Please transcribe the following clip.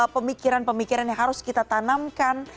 pemikiran pemikiran yang harus kita tanamkan